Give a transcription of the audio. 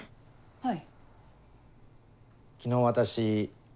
はい。